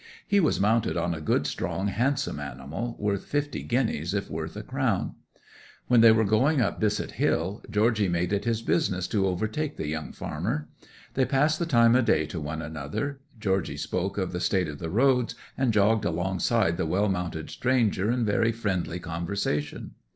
He was mounted on a good strong handsome animal, worth fifty guineas if worth a crown. When they were going up Bissett Hill, Georgy made it his business to overtake the young farmer. They passed the time o' day to one another; Georgy spoke of the state of the roads, and jogged alongside the well mounted stranger in very friendly conversation.